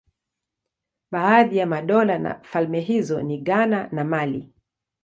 Baadhi ya madola na falme hizo ni Ghana na Mali.